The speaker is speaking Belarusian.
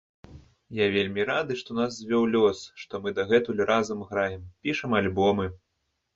Я вельмі рады, што нас звёў лёс, што мы дагэтуль разам граем, пішам альбомы.